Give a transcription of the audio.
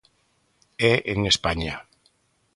¿E en España?